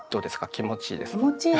気持ちいいです。